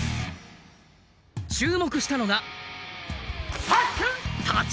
注目したのが。